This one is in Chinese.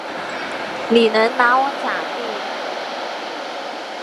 你能拿我咋地？